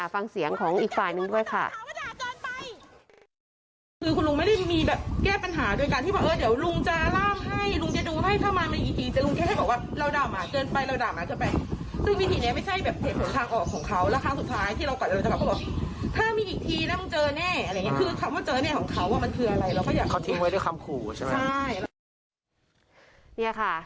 ฟังเสียงของอีกฝ่ายนึงด้วยค่ะ